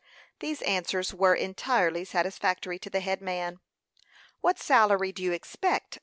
These answers were entirely satisfactory to the head man. "What salary do you expect?"